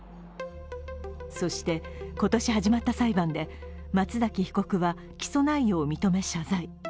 そして今年始まった裁判で松崎被告は起訴内容を認め謝罪。